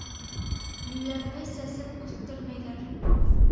Йүләрҙе сәсеп үҫтермәйҙәр.